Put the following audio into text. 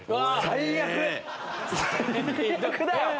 最悪だよ。